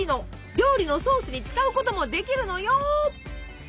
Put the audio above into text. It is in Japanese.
料理のソースに使うこともできるのよ！